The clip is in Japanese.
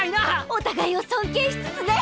お互いを尊敬しつつね。